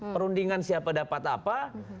perundingan siapa dapat apa